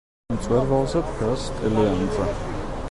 მწვერვალზე დგას ტელეანძა.